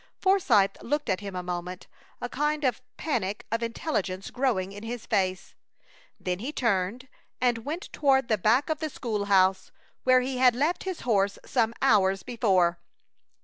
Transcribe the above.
Forsythe looked at him a moment, a kind of panic of intelligence growing in his face; then he turned and went toward the back of the school house, where he had left his horse some hours before.